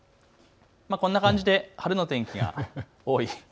こんな感じで晴れの天気が多い。